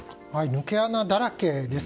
抜け穴だらけです。